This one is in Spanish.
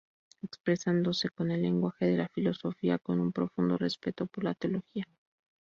Expresándose con el lenguaje de la filosofía con un profundo respeto por la teología.